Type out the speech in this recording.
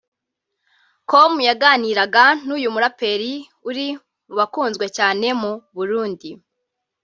com yaganiraga n’uyu muraperi uri mu bakunzwe cyane mu Burundi